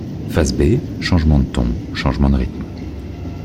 Face B, changement de ton, changement de rythme.